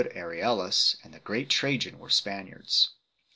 Aurelius and the great Trajan were Spaniards.